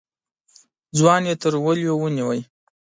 ځوان يې تر وليو ونيو.